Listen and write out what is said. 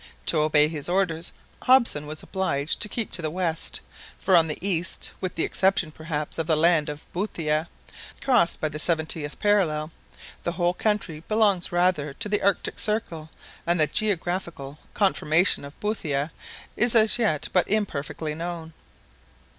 To obey his orders Hobson was obliged to keep to the west; for on the east—with the exception, perhaps, of the land of Boothia, crossed by the seventieth parallel—the whole country belongs rather to the Arctic Circle, and the geographical conformation of Boothia is as yet but imperfectly known.